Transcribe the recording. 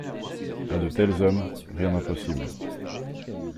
A de tels hommes, rien d'impossible